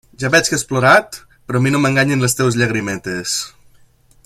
Ja veig que has plorat, però a mi no m'enganyen les teues llagrimetes.